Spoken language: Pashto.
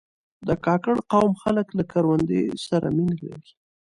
د کاکړ قوم خلک له کروندې سره مینه لري.